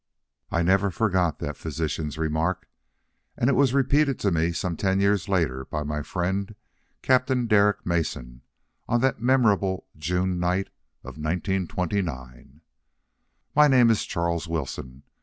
I never forgot that physician's remark. And it was repeated to me some ten years later by my friend, Captain Derek Mason, on that memorable June night of 1929. My name is Charles Wilson.